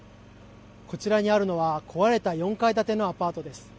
こちらにあるのは壊れた４階建てのアパートです。